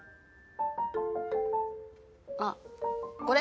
あっこれ？